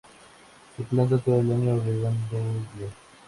Se planta todo el año, regando bien.